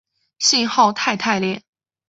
信号肽肽链。